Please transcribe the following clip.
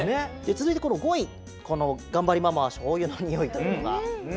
つづいてこの５位「頑張りママはしょうゆのにおい」というのが。